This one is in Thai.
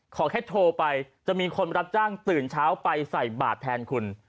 ขอแค่โทรไปจะมีคนรับจ้างตื่นเช้าไปใส่บาทแทนคุณ